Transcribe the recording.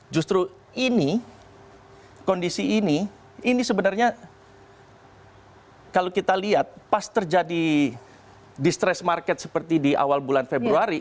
justru ini kondisi ini ini sebenarnya kalau kita lihat pas terjadi distress market seperti di awal bulan februari